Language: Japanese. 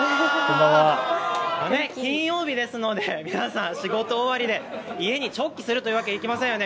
金曜日ですので皆さん仕事終わりで家に直帰するというわけにはいきませんよね。